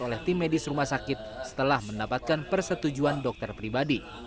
oleh tim medis rumah sakit setelah mendapatkan persetujuan dokter pribadi